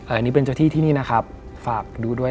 อันนี้เป็นเจ้าที่ที่นี่นะครับฝากดูด้วย